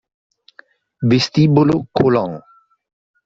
Vestibolo Colón